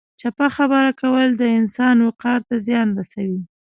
چپه خبره کول د انسان وقار ته زیان رسوي.